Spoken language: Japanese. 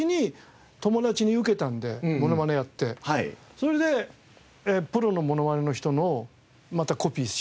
それでプロのモノマネの人のまたコピーして友達にやって。